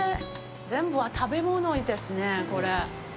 全部、食べ物ですね、これ。